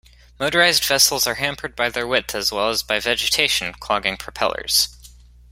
Motorised vessels are hampered by their width as well as by vegetation clogging propellers.